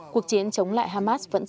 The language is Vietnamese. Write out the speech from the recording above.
cuộc chiến chống lại hamas vẫn thật